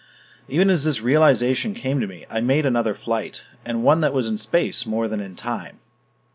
Even as this realization came to me, I made another flight and one that was in space more than in time.